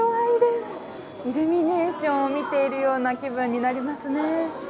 イルミネーションを見ているような気分になりますね。